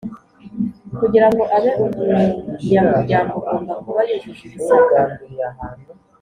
Kugira ngo abe umunyamuryango agomba kuba yujuje ibisabwa